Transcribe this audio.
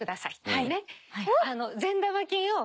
はい。